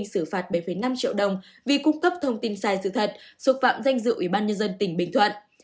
xử phạt bảy năm triệu đồng vì cung cấp thông tin sai sự thật xúc phạm danh dự ủy ban nhân dân tỉnh bình thuận